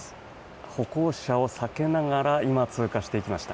歩行者を避けながら今、通過していきました。